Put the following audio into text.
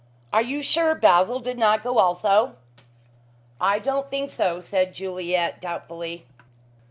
"Are you sure Basil did not go also?" "I don't think so," said Juliet doubtfully.